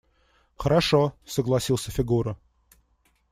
– Хорошо, – согласился Фигура.